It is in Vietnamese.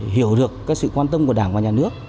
hiểu được sự quan tâm của đảng và nhà nước